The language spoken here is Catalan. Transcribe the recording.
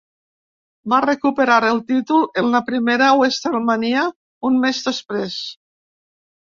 Va recuperar el títol en la primera WrestleMania un mes després.